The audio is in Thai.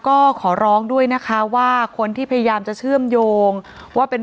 ก็ขอร้องด้วยนะคะว่าคนที่พยายามจะเชื่อมโยงว่าเป็น